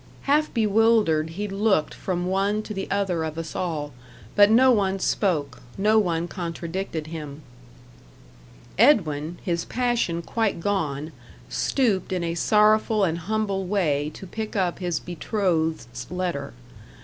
Half bewildered, he looked from one to the other of us all; but no one spoke, no one contradicted him. Edwin, his passion quite gone, stooped in a sorrowful and humble way to pick up his betrothed's letter.